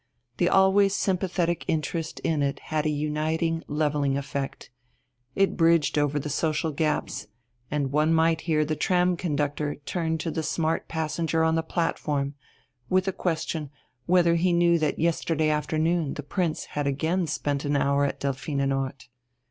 The always sympathetic interest in it had a uniting, levelling effect: it bridged over the social gaps, and one might hear the tram conductor turn to the smart passenger on the platform with the question whether he knew that yesterday afternoon the Prince had again spent an hour at Delphinenort.